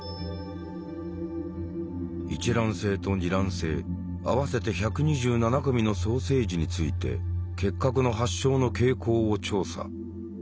一卵性と二卵性合わせて１２７組の双生児について結核の発症の傾向を調査。